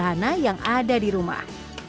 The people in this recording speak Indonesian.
alat alat sederhana yang ada di rumah